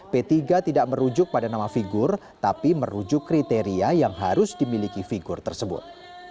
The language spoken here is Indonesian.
p tiga tidak merujuk pada nama figur tapi merujuk kriteria yang harus dimiliki figur tersebut